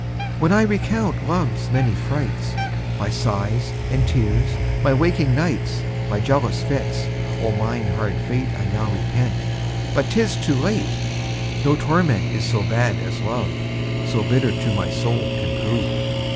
When I recount love's many frights, My sighs and tears, my waking nights, My jealous fits; O mine hard fate I now repent, but 'tis too late. No torment is so bad as love, So bitter to my soul can prove.